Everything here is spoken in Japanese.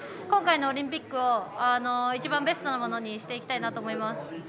今回のオリンピックを一番ベストなものにしていきたいなと思います。